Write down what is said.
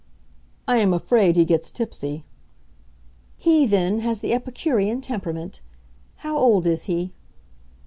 "I am afraid he gets tipsy." "He, then, has the epicurean temperament! How old is he?"